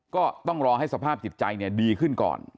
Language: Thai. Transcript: ก็ต้องรอให้สภาพจิตใจดีขึ้นก่อน